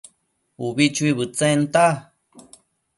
ubi chuibëdtsenta